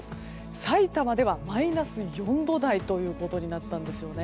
さいたまでは、マイナス４度台ということになったんですよね。